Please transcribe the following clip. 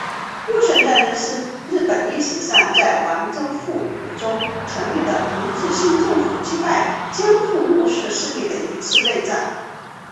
戊辰战争是日本历史上在王政复古中成立的明治新政府击败江户幕府势力的一次内战。